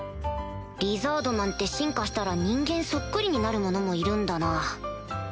リザードマンって進化したら人間そっくりになる者もいるんだな